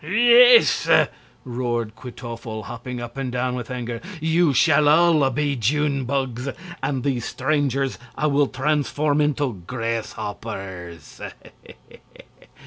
"Yes!" roared Kwytoffle, hopping up and down with anger, "you shall all be June bugs, and these strangers I will transform into grasshoppers!"